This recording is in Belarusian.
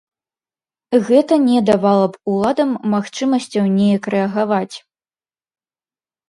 Гэта не давала б уладам магчымасцяў неяк рэагаваць.